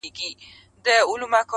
زرافه هم ډېره جګه وي ولاړه٫